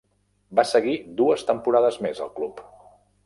Va seguir dues temporades més al club.